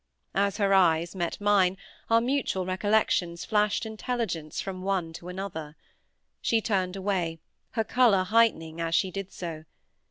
As her eyes met mine our mutual recollections flashed intelligence from one to the other. She turned away, her colour heightening as she did so.